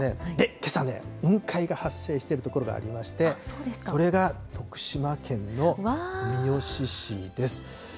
けさね、雲海が発生している所がありまして、それが徳島県の三好市です。